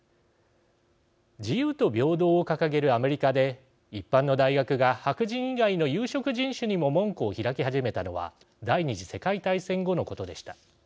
自由と平等を掲げるアメリカで一般の大学が白人以外の有色人種にも門戸を開き始めたのは第二次世界大戦後のことでした。